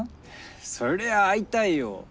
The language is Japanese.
そりゃ会いたいよ。